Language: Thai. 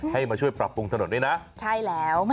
ให้มาช่วยปรับปรุงถนนด้วยนะใช่แล้ว